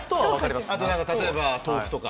あと何か例えば豆腐とか。